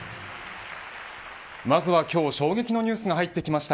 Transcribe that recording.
まずは今日、衝撃のニュースが入ってきました。